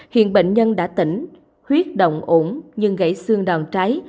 hiện bệnh nhân đã tỉnh huyết động ủng nhưng gãy xương đòn trái